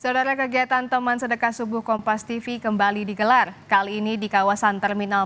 saudara kegiatan teman sedekah subuh kompas tv kembali digelar kali ini di kawasan terminal